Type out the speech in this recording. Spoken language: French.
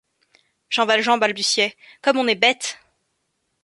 Jean Valjean balbutiait: — Comme on est bête!